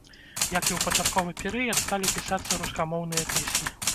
Як і ў пачатковы перыяд, сталі пісацца рускамоўныя песні.